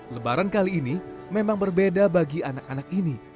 lebaran kali ini memang berbeda bagi anak anak ini